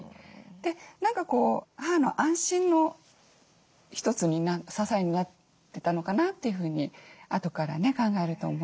で何か母の安心の一つに支えになってたのかなというふうにあとからね考えると思いますね。